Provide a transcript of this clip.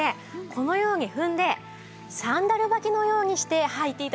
このように踏んでサンダル履きのようにして履いて頂けるんです。